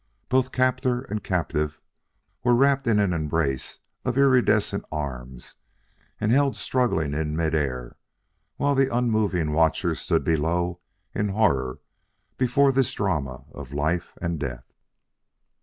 Both captor and captive were wrapped in an embrace of iridescent arms and held struggling in mid air, while the unmoving watchers below stood in horror before this drama of life and death.